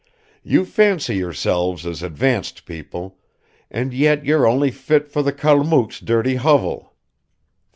You fancy yourselves as advanced people, and yet you're only fit for the Kalmuk's dirty hovel!